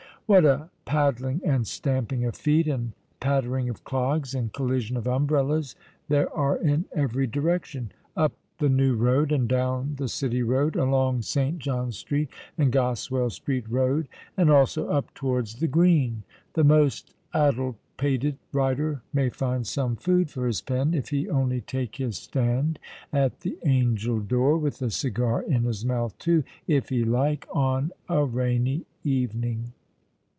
What a paddling and stamping of feet, and pattering of clogs, and collision of umbrellas there are in every direction,—up the New Road, and down the City Road,—along St. John Street and Goswell Street Road,—and also up towards the Green! The most addle pated writer may find some food for his pen, if he only take his stand at the Angel door—with a cigar in his mouth, too, if he like—on a rainy evening.